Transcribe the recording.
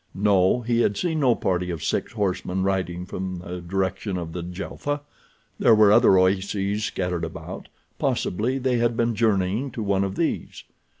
No, he had seen no party of six horsemen riding from the direction of Djelfa. There were other oases scattered about—possibly they had been journeying to one of these.